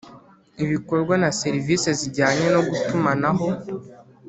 Ibikorwa na serivisi zijyanye no gutumanaho